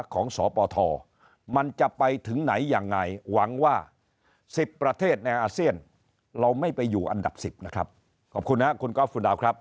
ขอบคุณนะคุณก๊อฟฟุนราวครับ